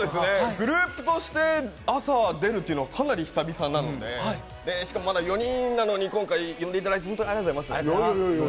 グループとして朝、出るっていうのが、かなり久々なので、しかも４人なのに呼んでいただいて、本当にありがとうございます。